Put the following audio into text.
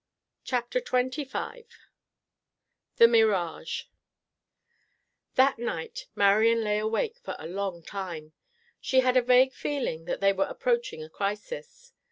CHAPTER XXV THE MIRAGE That night Marian lay awake for a long time. She had a vague feeling that they were approaching a crisis.